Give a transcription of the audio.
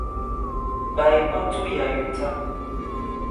Gba ewá thú Yayó thá.